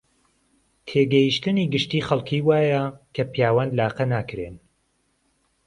تێگەیشتنی گشتیی خەڵکی وایە کە پیاوان لاقە ناکرێن